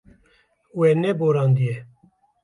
We neborandiye.